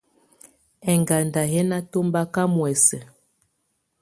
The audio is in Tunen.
Ɛŋgándà yɛ́ ná tɔ̀mbaká muɛsɛ.